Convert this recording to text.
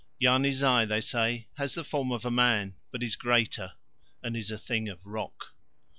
Yarni Zai, they say, has the form of a man but is greater and is a thing of rock.